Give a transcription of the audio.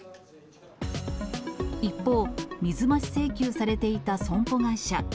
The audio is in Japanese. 一方、水増し請求されていた損保会社。